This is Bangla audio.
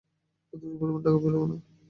যথেষ্ট পরিমাণ টাকা পেলেও না?